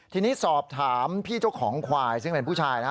ทีนี้สอบถามพี่เจ้าของควายซึ่งเป็นผู้ชายนะ